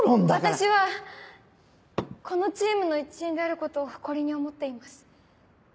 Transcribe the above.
私はこのチームの一員であることを誇りに思っています。